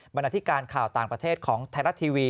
ณาธิการข่าวต่างประเทศของไทยรัฐทีวี